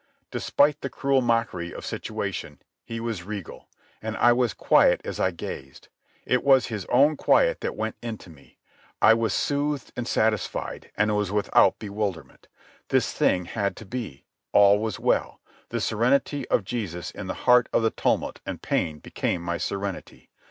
Despite the cruel mockery of his situation, he was regal. And I was quiet as I gazed. It was his own quiet that went into me. I was soothed and satisfied, and was without bewilderment. This thing had to be. All was well. The serenity of Jesus in the heart of the tumult and pain became my serenity.